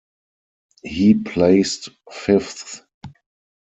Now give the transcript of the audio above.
He placed fifth.